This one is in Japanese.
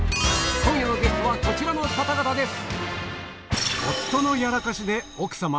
今夜のゲストはこちらの方々です